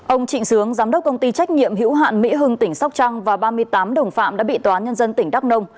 ông trịnh sướng giám đốc công ty trách nhiệm hữu hạn mỹ hưng tỉnh sóc trăng và ba mươi tám đồng phạm đã bị tòa nhân dân tỉnh đắk nông